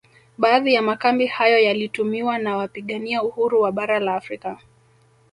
Baadhi ya makambi hayo yaliyotumiwa na wapigania uhuru wa bara la Afrika